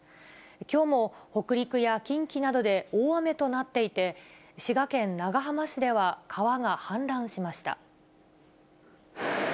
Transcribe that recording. きょうも北陸や近畿などで大雨となっていて、滋賀県長浜市では川が氾濫しました。